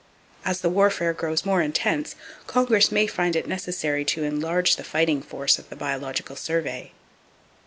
As the warfare grows more intense, Congress may find it necessary to enlarge the fighting force of the Biological Survey.